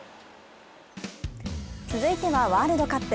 続いてはワールドカップ。